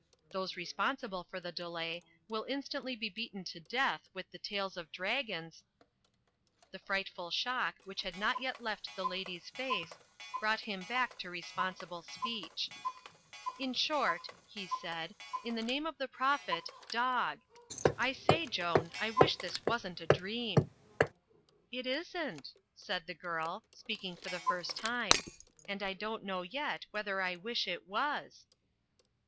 Those respon .sible for the delay will instantly be beaten to death with the tails of dragons —'* The frightftal shock, which had not yet left the lady's face, brought him back to responsible speech. "In short," he said, "in the name of the Prophet, dog. I say, Joan, I wish this wasn't a dream." "It isn't," said the girl, speaking for the first time, "and I don't know yet whether I wish it was."